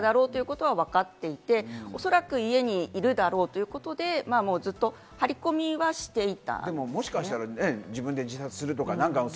犯行直後におそらく斎藤容疑者だろうということはわかっていて、おそらく家にいるだろうということで、ずっと張り込みはしていた。